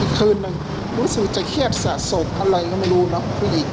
คืนนึงรู้สึกจะเครียดสะสมอะไรก็ไม่รู้เนอะผู้หญิง